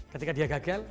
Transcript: ketika dia gagal